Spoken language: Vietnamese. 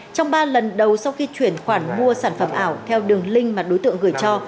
trong ba lần đầu sau khi chuyển khoản mua sản phẩm ảo theo đường link mà đối tượng gửi cho